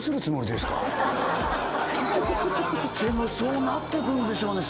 でもそうなっていくんでしょうね